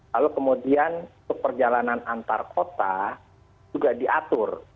lalu kemudian perjalanan antar kota sudah diatur